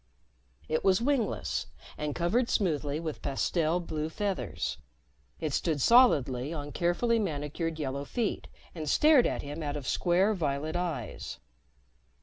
It was wingless and covered smoothly with pastel blue feathers. It stood solidly on carefully manicured yellow feet and stared at him out of square violet eyes.